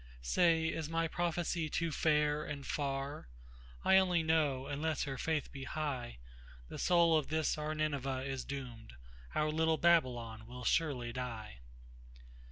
Say, is my prophecy too fair and far?I only know, unless her faith be high, The soul of this our Nineveh is doomed, Our little Babylon will surely die.